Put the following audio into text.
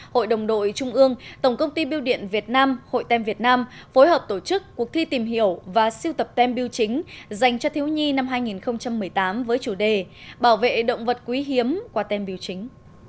hội đồng đội trung ương tổng công ty biêu điện việt nam hội tem việt nam phối hợp tổ chức cuộc thi tìm hiểu và siêu tập tem biêu chính dành cho thiếu nhi năm hai nghìn một mươi tám với chủ đề bảo vệ động vật quý hiếm qua tem biêu chính